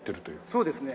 そうですね。